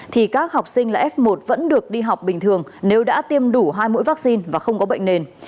thì các học sinh là f một vẫn được đi học bình thường nếu đã tiêm đủ hai mũi vaccine và không có bệnh nền